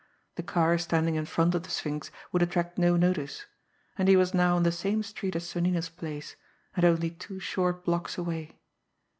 The car standing in front of The Sphinx would attract no notice; and he was now on the same street as Sonnino's place, and only two short blocks away.